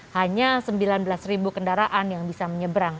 hanya sembilan belas ribu kendaraan yang bisa menyeberang